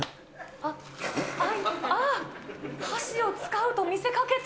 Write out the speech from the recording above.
ああ、箸を使うと見せかけて。